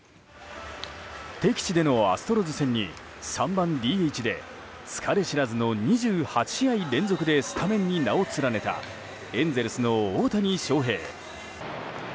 敵地でのアストロズ戦に３番ＤＨで疲れ知らずの２８試合連続でスタメンに名を連ねたエンゼルスの大谷翔平。